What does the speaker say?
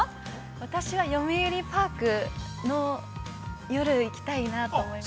◆私はよみうりパークの夜行きたいなと思います。